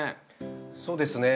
そうですね。